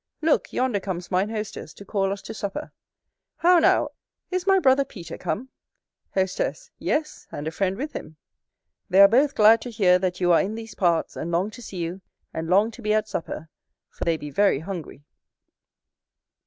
Look! yonder comes mine hostess, to call us to supper. How now! is my brother Peter come? Hostess. Yes, and a friend with him. They are both glad to hear that you are in these parts; and long to see you; and long to be at supper, for they be very hungry.